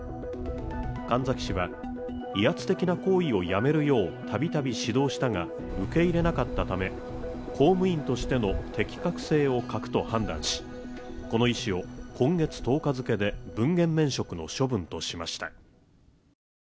神埼市は、威圧的な行為をやめるようたびたび指導したが、受け入れなかったため、公務員としての適格性を欠くと判断し、この医師を今月１０日付で分限免職の処分としました。